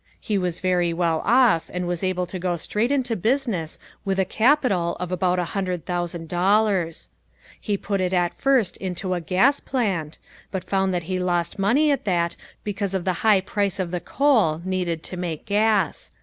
He was very well off and was able to go straight into business with a capital of about a hundred thousand dollars. He put it at first into a gas plant, but found that he lost money at that because of the high price of the coal needed to make gas.